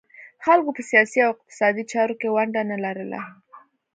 خلکو په سیاسي او اقتصادي چارو کې ونډه نه لرله